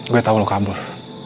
gue tau lo kabur